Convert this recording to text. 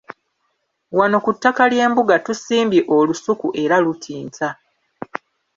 Wano ku ttaka ly’embuga tusimbye olusuku era lutinta.